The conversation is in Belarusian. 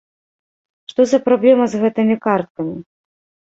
Што за праблема з гэтымі карткамі?